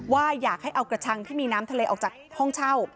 ว่าอยากให้เอากระชังที่มีน้ำทะเลออกจากห้องเช่า